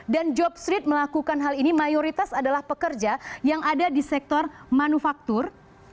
dan job street melakukan hal ini mayoritas adalah pekerja yang ada di sektor manufaktur